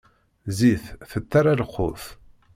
Zzit tettara lqut.